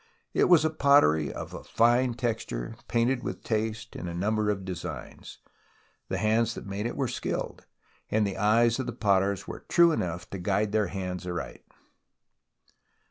It was a pottery of a fine texture, painted with taste in a number of designs. The hands that made it were skilled, and the eyes of the potters were true enough to guide their hands aright.